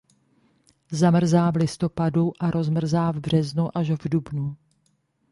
Zamrzá v listopadu a rozmrzá v březnu až v dubnu.